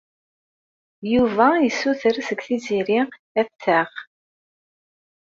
Yuba yessuter seg Tiziri ad t-taɣ.